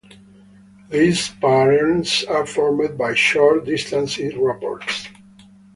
These patterns are formed by short distance rapports.